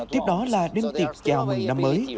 tiếp đó là đêm tiệc chào mừng năm mới